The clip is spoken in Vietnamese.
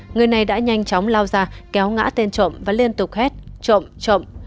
người này đã nhanh chóng lao ra kéo ngã tên trộm và liên tục hết trộm trộm